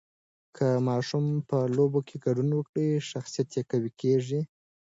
که ماشوم په لوبو کې ګډون وکړي، شخصیت یې قوي کېږي.